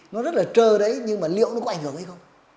nó rất trơ đấy nhưng liệu nó có ảnh hưởng hay không